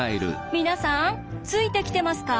皆さんついてきてますか？